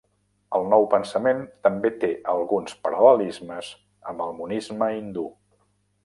El Nou Pensament també té alguns paral·lelismes amb el monisme hindú.